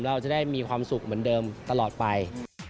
เราจะได้มีความสุขเหมือนเดิมตลอดไป